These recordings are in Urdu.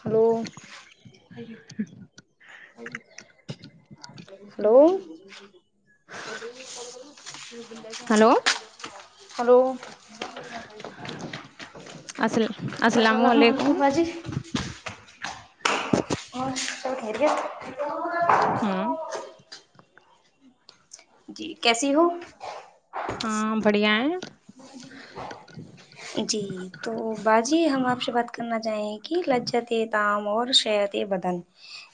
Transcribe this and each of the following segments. [inaudible] ہلو ہلو ہلو ہلو اسلا اسلام السلام علیکم [inaudible] اور سب [unintelligible] ٹھیک ہے ہوں جی کیسی ہو ہاں بڑیایں جی تو باجی ہم آپ سے بات کرنا چاہیں کہ لجت تام اور شر بدن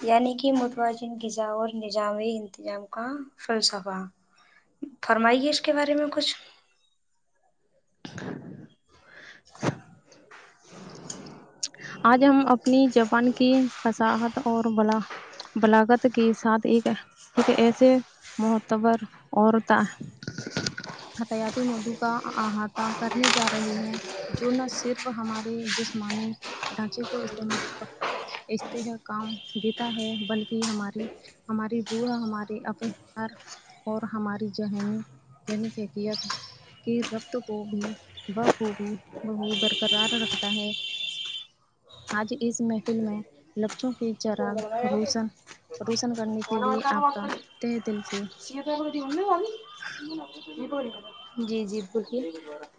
یعنی کہ متوازن غذا اور نظامی انتظام کا فلسفہ فرمائیے اس کے بارے میں کچھ آج ہم اپنی جاپان کی فصاحت اور بلا بلاگت کے ساتھ ایک ہے ایک ایسے معتبر اور تا حتیاتی اردو کا احاطہ کرنے جا رہے ہیں جو نہ صرف ہمارے جسمانی ڈھانچے کو استعمال استہ کام دیتا ہے بلکہ ہماری ہماری بوا ہماری اقل پر اور ہماری ذہنی ذہنی فحقیت کی ربت کو بھی بخوبی [inaudible] برقرار رکھتا ہے آج اس محفل میں لکچوں کی جرہ روشن روسن کرنے کے لیے آپ کا تہ دل سے [unintelligible] جی جی بولئے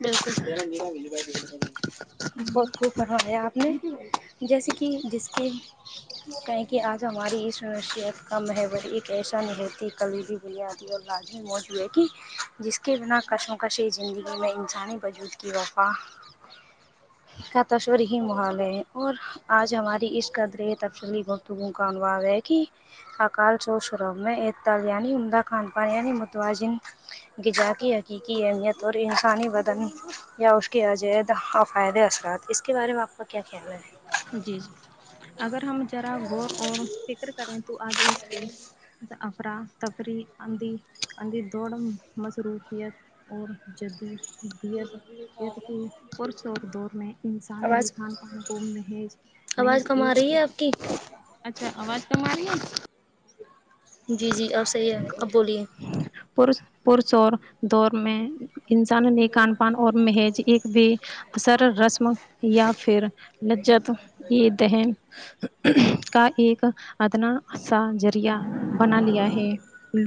بالکل بہت خوب فرمایا آپ نے جیسے کہ جس کی کہیں کہہ آج ہماری اس [unintelligible] کا محبور ایک ایسا نہیں ہےکی کلبی [unintelligible] آتی ہے اور رات میں موج بھی ہے کہ جس کے بنا کشمکشی زندگی میں انسانی وجود کی وفا کا تشور ہی ماحول ہے اور آج ہماری اس قدر تفصلی بہت [unintelligible] خان پان یعنی متواجن غذا کی حقیقی اہمیت اور انسانی بدن یا اس کے عجید اقائدہ اثرات اس کے بارے میں آپ کا کیا خیال ہے جی جی اگر ہم ذرا غور اور فکر کریں تو آگے اس کے افرا تفریح اندھی اندھی دوڑ مصروفیت اور جدی آواز [unintelligible] کھان پان کو میں آواز کم آ رہی ہے آپ کی اچھا آواز کم آ رہی ہے جی جی اب صحیح ہے اب بولیے پرس پرس اور دور میں انسان نے کان پان اور مہیج ایک بھی اثر رسم یا پھر لجت یہ دہن کا ایک ادنا سا ذریعہ بنا لیا ہے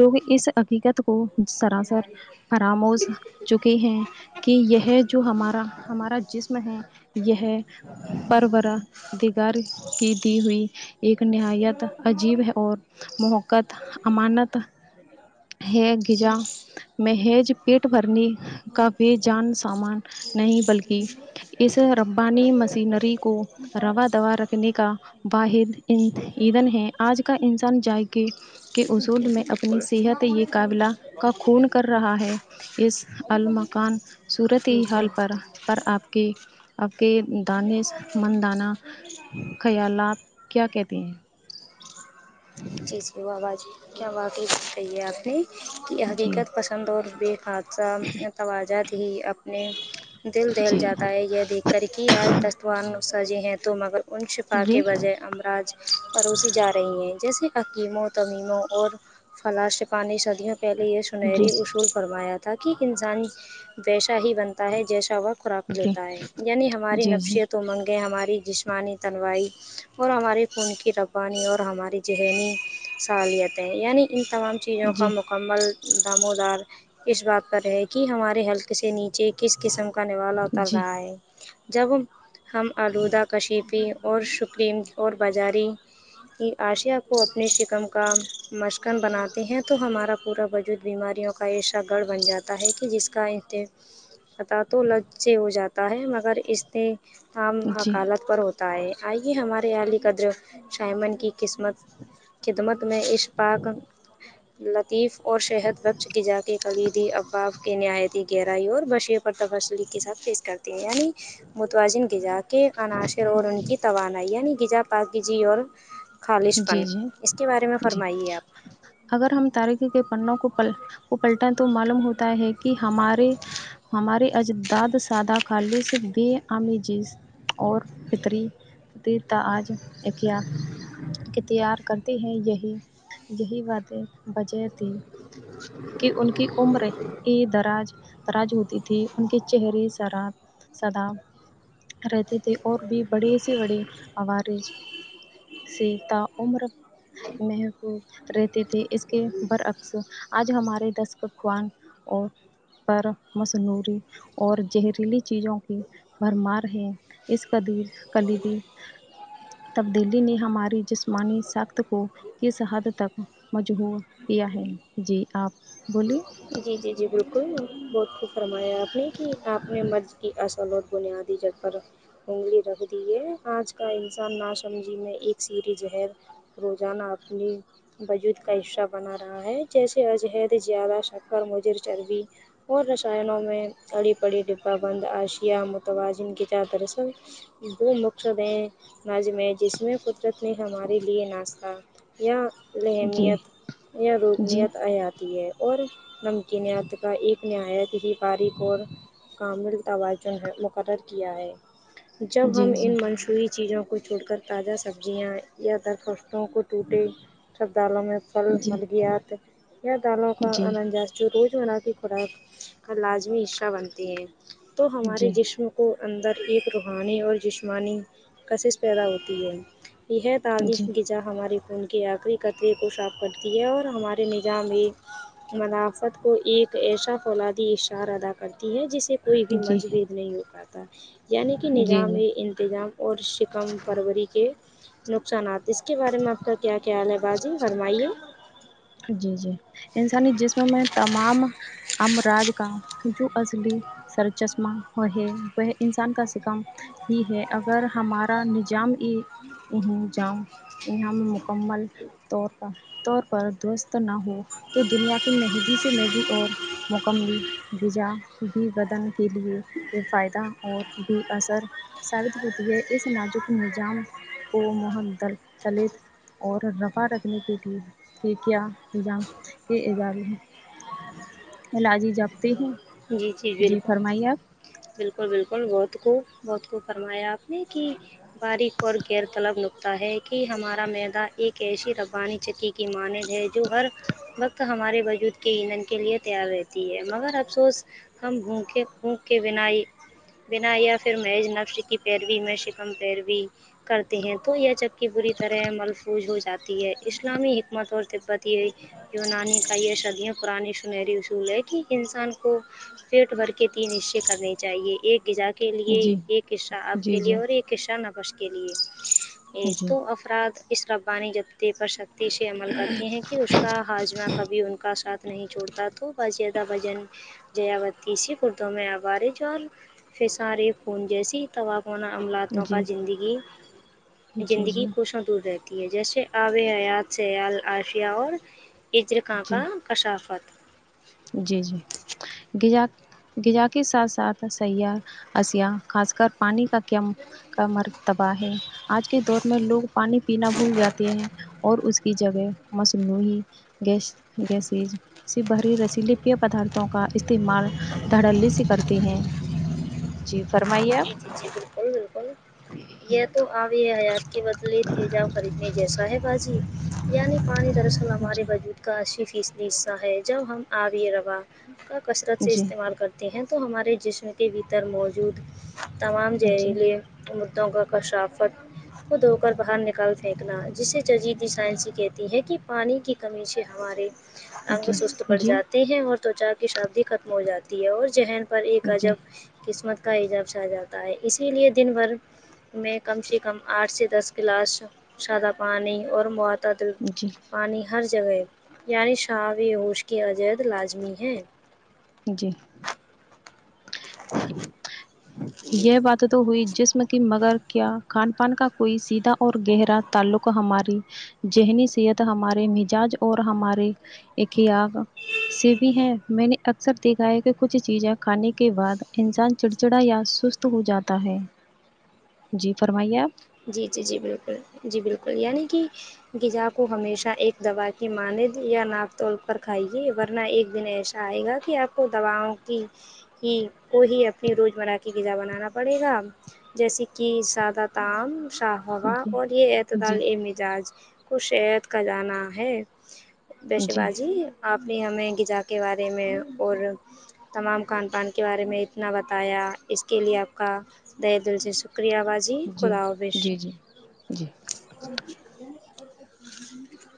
تو بھی اس حقیقت کو سراسر پراموش چک ت ہیں کہ یہ ہے جو ہمارا ہمارا جسم یہ ہے پروارہ دیگار کی دی ہوئی ایک نہایت عجیب ہے اور محقت امانت ہے گزا مہیج پیٹ بھرنی کا بےجان سامان نہیں بلکہ اس ربانی مشینری کو روا دوا رکھنے کا واحد ادھن ہے آج کا انسان جگہ کے اصول جی میں جی اپنی بالکل صحت یہ قابلہ کا خون کر رہا ہے اس المکان صورت ہی ٹھیک حال ہے پر پر آپ کی آپ کے دانس مند دانہ خیالات کیا کہتے ہیں جی جی وہی وح جی کیاہے واقعے بات کی آپ نے کہ جی حقیقت پسند اور بے کاد سام متوجہ دی اپنے دل دہل جی جاتا ہے یہ دیکھ کر کہ آج دستوان سجے ہیں تو مگر ان شفا جی کے بجائے امراض پروسی جا رہی ہیں جیسے حکیمو تمیموں اور فلاں شفا نے صدیوں پہلے یہ جی سنہری جی اصول فرمایا تھا کہ انسان ویشا ہی بن تا ہے جیسا و خوراک جی لیتا ہے یعنی ہماری جی نفسیت تو منگ گے ہماری جسمانی تنوائی اور ہمارے خون کی ربوانی اور ہمارے ذہنی سالیتیں یعنی ان تمام چیزوں کا جی مق مکمل دامودار اس بات پر ہے کہ ہمارے حلقے سے نیچے کس قسم کا نوالا اتار جی رہا ہے جب ہم ہم آلودہ کشیفی اور شکرین اور بازاری کی آشیا کو اپنی ش ہم کام مشکن بناتے ہیں تو ہمارا پورا وجود بیماریوں کا ایشا گڑھ بن جاتا ہے کہ جس کاتے پاتا تو لج سے ہو جاتا ہے مگر اس نے عام جی حکالت پر ہوتا ہے آئیے ہمارے عالی قدر شائمن کی قسمت خدمت میں اشق پاک لطیف اور شہد بخش کے جا کے کلییدی اباف کے نہایتتی گہرائی اور بشییر اور تبسلی کے ساتھ پیش کرتے ہیں یعنی متوازن کے جات کے عناصر اور ان کی توانائی یعنی گجا پکیزی اور خالش فن جی جی جی اگر ہم تاریخی کے پنوں کو پ کو پلٹا تو معلوم ہوتا ہے کی ہمارےآہ ہمارے اجداد سادہ خالص بے عام جیز اور پتری دیتا آج ایک یار کی تیار کرتی ہیں یہی یہی باتیں بجہ تھی کہ ان کی عمر ای دراج تراج ہوتی تھی ان کے چہرے سرا سدا رہتے تھے اور بھی بڑے سے بڑے عوارے سے تا عمر محفوظ رہتے تھے اس کے برعکس آج ہمارے دستر خوان اور پر مصنوری اور جہریلی چیزوں کی بھرمار ہیں اس قدیر کلیبی حا تبدیلی نے ہماری جسمانی سخت کو کس حد تک مجبور کیا ہے جی آپ بولیے جی جی جی بالکل بہت خوب فرمایا آپ نے کہ آپ نے مرض کی اصل اور بنیاد جی جگ پر انگلی رکھ دی ہے آج کا انسان ناسمجی میں ایک سیریز رہے روزانہ اپنی وجود کا حشش بنا رہا ہے جیسے عجہد زیادہ شک اور مجھے چربی اور رشائنوں میں اڑی پڑی ڈبہ بند آشیا متوازن کی چار طرف سے دو مقصد ہے نظم جس میں قدرت نے ہمارے لیے ناشتا یا جی اہمیت یا وہ جی روبنیت آجا تی ہے اور نمکنت کا ایک نہایت ہی باریک اور کامل تاوا ز مقرر کیا ہے جب ہم جی جی ان منشوعی چیزوں کو چھوڑ کر تازہ سبزیاں یا درخشستوں کو ٹوٹی سب دالوں میں پھل جی ملگیات یا دالوں کا جی مشجو رو کی خوراک کا لازمی حصہ بنتے ہیں تومعصوم ہمارے جی جشم کو اندر ایک روحانی اور جشمانی کشش پیدا ہوتی ہے یہ ہی تالش جی جہاں ہماری خون کے آخری قتریے کو صاف کرتی ہے اور ہمارے نظام بھی منافت کو ایک ایشا فولا اشار ادا کرتی ہے جسے کوئی بھی جی مرض بید نہیں ہو پاتا یعنی کہ جی نظام جی یے انتظام اور شکم فروری کے نقصانات ا اس کے بارے میں آپ کا کیا کیال ہے باجی فرمائیے ہا جی جی انسانی جسم میں تمام امراج کام جو اصلی سرچسمہ وہ ہے وہ انسان کا سکم ہی ہے اگر ہمارا نجام ان جام یہاں مکمل طور پر طور پر درست نہ ہو تو دنیا کی مہگی سے اور مکمل غیجا بھی بدن کے لیے ب فائدہ اور بھی اثر ثابت ہوتی ہے اس ناجک نیجام کو موہن دل دلت اور روا رکھنے کے لیے کہ کیا [unintelligible] الاجی جپتی ہیں جی جی بالکل فرمائیے آپ بالکل بالکل بہت خوب بہت خوب فرمایا آپ نے کی باریک اور غیر طلب نکتا ہے کہ ہمارا میدا ایک ایسی ربانی چتی کی ماند ہے جو ہر وقت ہمارے وجود کے امنڈ کے لیے تیار رہتی ہے مگر افسوس ہم ہھونکیں ہھونک کے بنائی بنا یا پھر میںج نف شکی پیروی میں شکم پیروی کرتے ہیں تو یہ چککی بری طرح محفوظ ہو جاتی ہے اسلامی حکمت اور تبت یہ ہے یونانی کا یہ شدیاں پرانی سنہری اصول ہے کہ انسان کو کو فیٹ بھر کے تین حصے کرنے چاہیئے ایک گغذا کے کے لیئے جی ایک حصہ آپ جی کے لئے جی اور ایک حصہ نفش کے لیئے جی تو اف افراد اس ربانی جدے پر سختی سے عمل کرتی ہیں کہ اس کا ہاجمہ کبھی ان کا ساتھ نہیں چھڑتا تو بس زدہ بجن جیاوتیسیی کردوں میں عوارج اور فسار خون جیسی طاوا ہونا جی عملاتوں کا جی زندگی زندگی جی کووشوں دور رہ تی ہے جیسے آب حیات سیال عاشیہ اور اجرکاں کا جی کشافت جی جی غذا غذا کے ساتھ ساتھ سیاح اشیا خاص کر پانی کا کیم کا مرتباہ ہے آج کے دور میں لوگ پانی پینا بھول جاتے ہیں اور اس کی جگہ مصنوعی گیس گیسسیج س باہری ریس پی لیپیا پدارتھوں کا استعمال دھڑلی سے کرتے ہیں جی فرمائیےاپ جی جی جی بالکل بالکل جی یہ تو آامی حیات کے بدلے تے جاب خریدنے جیسا ہے باجی یعنی پانی دراصل ہمارے جی بجود کا سی فیصدی حصہ ہے جب ہم آبی روا کا کثرت سے جی استعمال کرتے ہیں تو ہمارے جسم کے بھیتر موجود تمام جی زہریلے مدوں کا کشافت کو دھو کر باہر نکال پھینکنا جسے ججیدی سائنسی کہتی ہیں کہ پانی کی کمی سے ہمارے انگ سست پڑ جی جاتے ہیں اور تچا کی شادی ختم ہو جاتی ہے اور ذہن پر ایک جی عجب قسمت کا اعجاب سا جاتا ہے اسی لیے دن بھر میں کم سے کم آٹھ سے دس گلاس سادہ پانی اور مطعدل جی پانی ہر جگہ یعنی شابی ہوش کی عجید لازمی ہے جی یہ بات توتو ہوئی جسم کی مگر کیا کھان پان کا کوئی سیدھا اور گہرا تعلق ہماری ذہنی صحت ہمارے مزاج اور ہمارے ایکیا سے بھی ہیں میں نے اکثر دیکھا ہے کہ کچھ چیزیں کھانے کے بعد انسان چڑچڑا یا سست ہو جاتا ہے جی فرمائیے آپ جی جی جی بالکل جی بالکل یعنی کہ غزا کو ہمیشہ ایک دوا کے ماند یا ناک توول پر کھائیے ورنہ ایک دن ایسا آ ئے گا کہ آپ کو دواؤں کی ہی کو ہی اپنی روزمرہ کی غذا بنانا پڑے گا جیسے کہ سادہ ت شاہ ہووا جی اور یہ اعتدال جی ا مزاج کو شہت کا جانا ہے بیشے جی بازی آپ نے ہمیں غذا کے بارے میں اور تمام کھان پان کے بارے میں اتنا بتایا اس کے لیے آپ کا طحے دل سے شکریہ باجی جی جی جی جی [unintelligible]